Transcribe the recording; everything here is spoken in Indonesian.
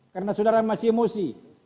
karena saudara masih emosi